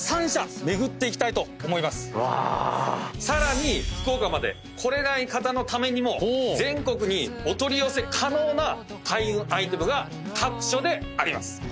さらに福岡まで来れない方のためにも全国にお取り寄せ可能な開運アイテムが各所であります。